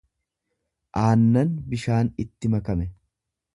'aannan bishaan itti makame.